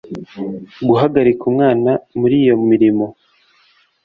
guhagararira umwana muri iyo mirimo